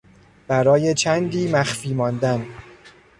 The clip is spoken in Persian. برای چندی مخفی ماندن